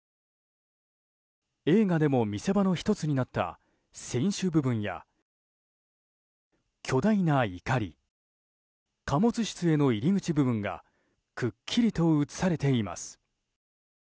映画でも見せ場の１つになった船首部分や、巨大ないかり貨物室への入り口部分がくっきりと映されています。